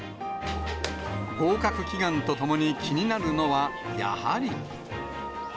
合格祈願とともに気になるのは、やはり。